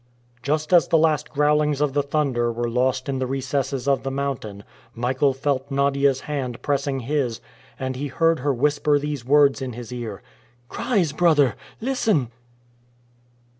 Just as the last growlings of the thunder were lost in the recesses of the mountain, Michael felt Nadia's hand pressing his, and he heard her whisper these words in his ear: "Cries, brother! Listen!"